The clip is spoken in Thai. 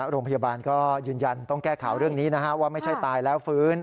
โรงพยาบาลก็ยืนยันต้องแก้ข่าวเรื่องนี้ว่าไม่ใช่ตายแล้วฟื้น